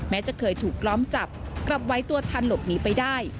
จะเคยถูกล้อมจับกลับไว้ตัวทันหลบหนีไปได้